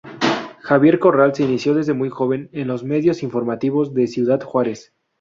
Javier Corral se inició desde muy joven en los medios informativos de Ciudad Juárez.